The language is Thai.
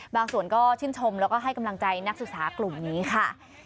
บางส่วนก็ชื่นชมแล้วก็ให้กำลังใจนักศึกษากลุ่มนี้ค่ะ